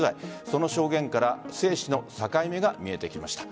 その証言から生死の境目が見えてきました。